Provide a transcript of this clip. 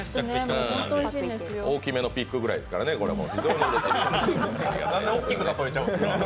大きめのピックぐらいですからね、これは。